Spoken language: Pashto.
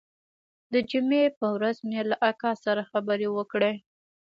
د جمعې پر ورځ مې له اکا سره خبرې وکړې.